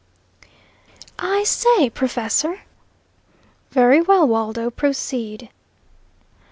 "I say, professor?" "Very well, Waldo; proceed."